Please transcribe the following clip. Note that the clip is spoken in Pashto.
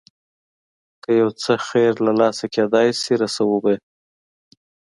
که یو څه خیر له لاسه کېدای شي رسوو به یې.